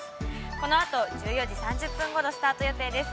このあと１４時３０分ごろスタート予定です。